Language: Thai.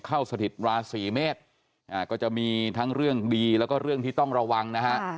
สถิตราศีเมษก็จะมีทั้งเรื่องดีแล้วก็เรื่องที่ต้องระวังนะฮะ